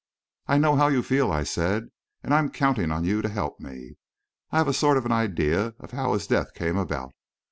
"I know how you feel," I said, "and I am counting on you to help me. I have a sort of idea how his death came about.